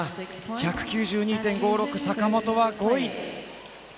１９２．５６坂本は５位。